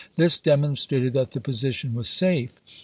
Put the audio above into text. This demonstrated that the position was safe.